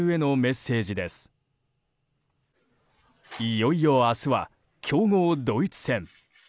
いよいよ明日は強豪ドイツ戦！